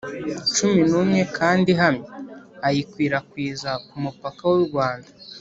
cumi n'umwe kandi ihamye, ayikwirakwiza ku mupaka w'u rwanda